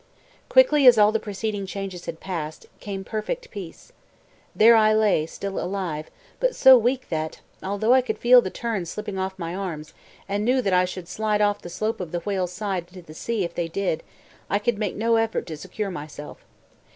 Quickly as all the preceding changes had passed, came perfect peace. There I lay, still alive, but so weak that, although I could feel the turns slipping off my arms, and knew that I should slide off the slope of the whale's side into the sea if they did, I could make no effort to secure myself.